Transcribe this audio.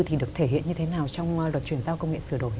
thì được thể hiện như thế nào trong luật truyền